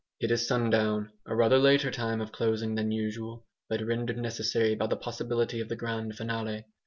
It is sundown, a rather later time of closing than usual, but rendered necessary by the possibility of the "grand finale."